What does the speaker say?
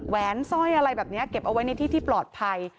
แวนสร้อยอะไรแบบนี้เก็บเอาไว้ในที่ที่ปลอดภัย